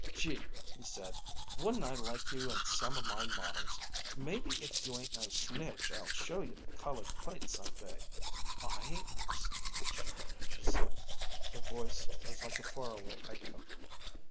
"Gee!" he said. "Wouldn't I like you in some of my models! Maybe if you ain't no snitch I'll show you the colored plates some day." "I ain't no snitch," she said. Her voice was like a far away echo.